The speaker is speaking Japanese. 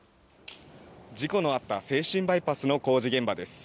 事故のあった静清バイパスの工事現場です。